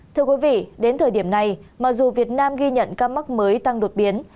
thưa quý vị đến thời điểm này mặc dù việt nam ghi nhận ca mắc mới tăng đột biến